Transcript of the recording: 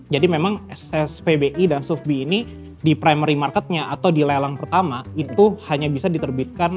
jadi memang spbi dan sufbi ini di primary marketnya atau di lelang pertama itu hanya bisa diterbitkan